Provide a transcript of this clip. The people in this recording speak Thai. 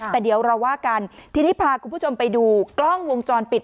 แต่เดี๋ยวเราว่ากันทีนี้พาคุณผู้ชมไปดูกล้องวงจรปิด